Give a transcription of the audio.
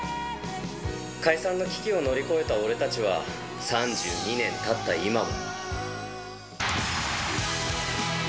解散の危機を乗り越えた俺たちは、３２年たった今も。